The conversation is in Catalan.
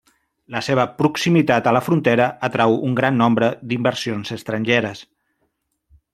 La seva proximitat a la frontera atrau un gran nombre d'inversions estrangeres.